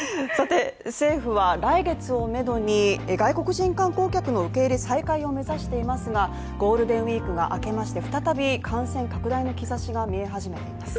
政府は来月をめどに外国人観光客の受け入れ再開を目指していますが、ゴールデンウイークが開けまして再び感染拡大の兆しが見え始めています。